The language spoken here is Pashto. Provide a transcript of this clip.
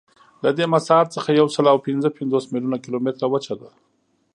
له دې مساحت څخه یوسلاوپینځهپنځوس میلیونه کیلومتره وچه ده.